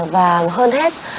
và hơn hết